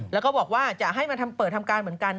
แล้วก็บอกว่าจะให้มาเปิดทำการเหมือนกัน